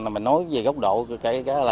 mình nói về góc độ kể cả là